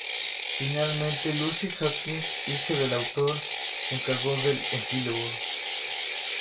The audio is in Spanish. Finalmente, Lucy Hawking, hija del autor, se encargó del epílogo.